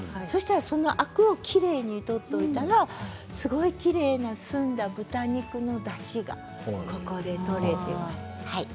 そうしたらそのアクをきれいに取っておいたらすごいきれいな澄んだ豚肉のだしがここで取れています。